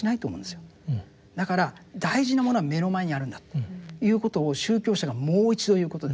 だから大事なものは目の前にあるんだということを宗教者がもう一度言うことですね。